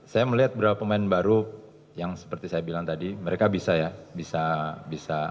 saya melihat beberapa pemain baru yang seperti saya bilang tadi mereka bisa ya bisa menjadi alat yang lebih baik